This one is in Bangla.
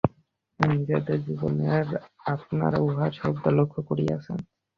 নিজেদের জীবনেই আপনারা উহা সর্বদা লক্ষ্য করিয়াছেন।